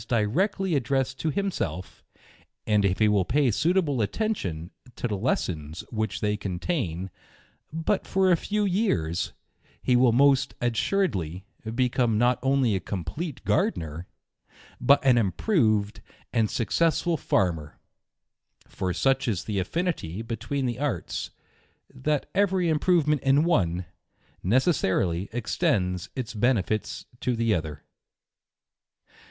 directly addressed to himself; ond if he will pay suitable attention to the lessons which they contain, but for a few years, he will most assuredly become not only a complete Gardener, but an improved and successful farmer ; foi such is the affinity between the arts, that every improve ment in one, necessarily extends its benefits to the other.